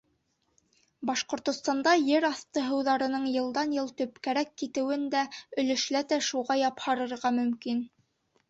Башҡортостанда ер аҫты һыуҙарының йылдан-йыл төпкәрәк китеүен дә өлөшләтә шуға япһарырға мөмкин.